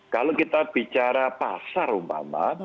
kalau kita bicara pasar umpama